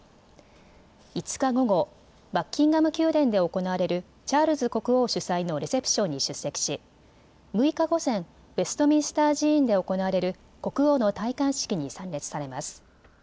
５日午後、バッキンガム宮殿で行われるチャールズ国王主催のレセプションに出席し６日午前、ウェストミンスター寺院で行われる国王の戴冠式に参列されます。